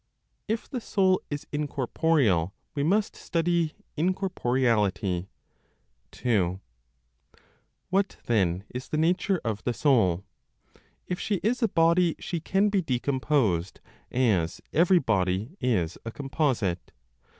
IF THE SOUL IS INCORPOREAL, WE MUST STUDY INCORPOREALITY. 2. What then is the nature of the soul? If she is a body, she can be decomposed, as every body is a composite.